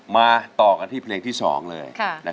มาต่อกันที่เพลงที่๒เลยนะครับ